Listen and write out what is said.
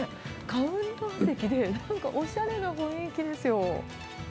カウンター席で、なんかおしゃれな雰囲気ですよ。